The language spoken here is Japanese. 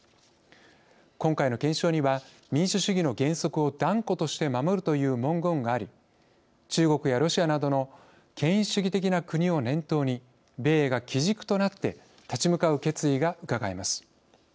今回の憲章には「民主主義の原則を断固として守る」という文言があり中国やロシアなどの権威主義的な国を念頭に米英が基軸となって立ち向かう決意がうかがえます。